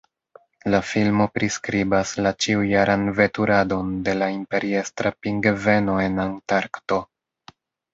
La filmo priskribas la ĉiujaran veturadon de la Imperiestra pingveno en Antarkto.